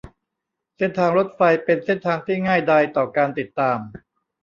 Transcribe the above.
เส้นทางรถไฟเป็นเส้นทางที่ง่ายดายต่อการติดตาม